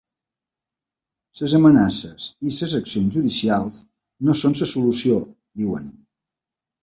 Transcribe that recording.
Les amenaces i i les accions judicials no són la solució, diuen.